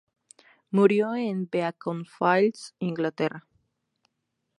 Murió en Beaconsfield, Inglaterra.